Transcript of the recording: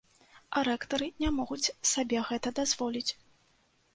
А рэктары не могуць сабе гэта дазволіць.